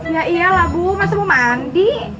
ya iyalah bu masa mau mandi